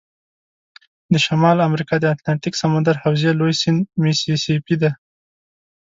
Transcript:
د شمال امریکا د اتلانتیک سمندر حوزې لوی سیند میسی سی پي دی.